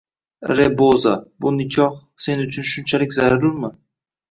Reboza, bu nikoh sen uchun shunchalik zarurmi